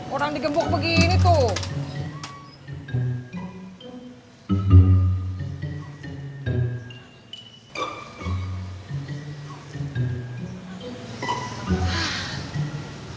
orang digembok begini tuh